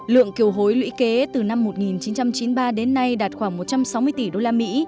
lượng kiều hối lũy kế từ năm một nghìn chín trăm chín mươi ba đến nay đạt khoảng một trăm sáu mươi tỷ usd